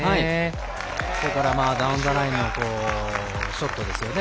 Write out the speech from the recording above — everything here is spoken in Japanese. それからダウン・ザ・ラインのショットですよね。